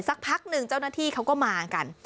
สักพักหนึ่งเจ้าหน้าที่เขาก็มากัน